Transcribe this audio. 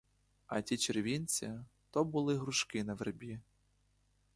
А ті червінці — то були грушки на вербі!